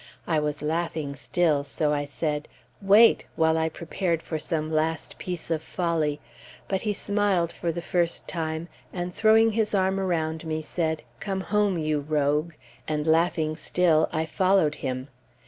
I was laughing still, so I said, "Wait," while I prepared for some last piece of folly, but he smiled for the first time, and throwing his arm around me, said, "Come home, you rogue!" and laughing still, I followed him.